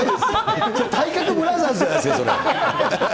体格ブラザーズじゃないですか、それ。